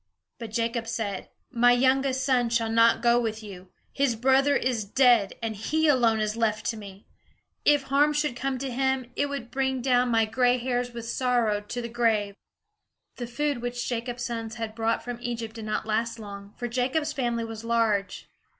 But Jacob said: "My youngest son shall not go with you. His brother is dead, and he alone is left to me. If harm should come to him, it would bring down my gray hairs with sorrow to the grave." THE MYSTERY OF THE LOST BROTHER The food which Jacob's sons had brought from Egypt did not last long, for Jacob's family was large.